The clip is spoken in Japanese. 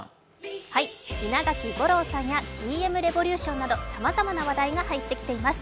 稲垣吾郎さんやＴ．Ｍ．Ｒｅｖｏｌｕｔｉｏｎなど、さまざまな話題が入ってきています。